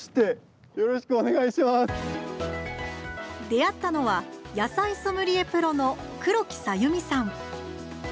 出会ったのは野菜ソムリエプロの黒木さゆみさん。